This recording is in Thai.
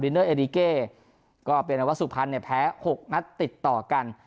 ดินเนอร์เอดิเก้ก็เป็นว่าสุภัณฑ์เนี่ยแพ้๖นัดติดต่อกัน